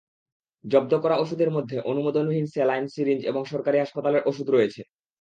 জব্দ করা ওষুধের মধ্যে অনুমোদনহীন স্যালাইন, সিরিঞ্জ এবং সরকারি হাসপাতালের ওষুধ রয়েছে।